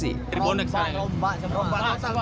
ribuan bonek saya